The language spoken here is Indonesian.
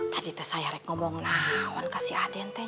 tadi tuh saya ngomongin ke si adente